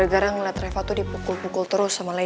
gara gara ngeliat reva tuh dipukul pukul terus sama lain